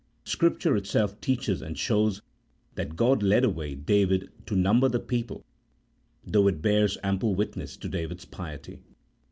Scripture itself teaches and shows that God led away David to number the people, though it bears ample witness to David's piety.